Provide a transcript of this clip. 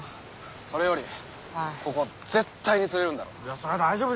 それよりここ絶対に釣れるんだろうな？